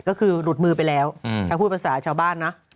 ก็คือหลุดมือไปแล้วถ้าพูดภาษาชาวบ้านนะ